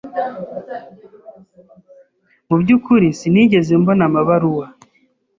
Mubyukuri, sinigeze mbona amabaruwa.